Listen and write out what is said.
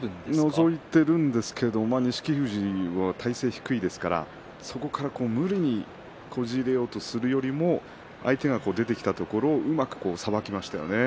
のぞいているんですけれども錦富士は体勢が低いですから無理にこじ入れようとするよりも相手が出てきたところをうまくさばきましたよね。